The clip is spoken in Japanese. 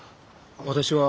私は。